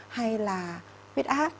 hay là huyết ác